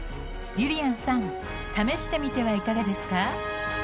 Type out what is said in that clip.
ゆりやんさん試してみてはいかがですか？